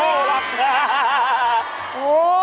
โอ้โฮ